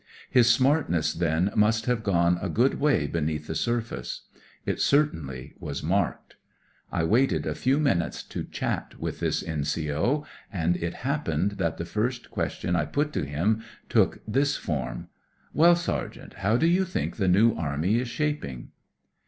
His smartness, then, must have gone a good way beneath the surface. It certainly was marked. I waited a few minutes to chat with this N.C.O., and it happened that the first question I put to him took this form :—" Well, Sergeant, how do you think the New Army is shaping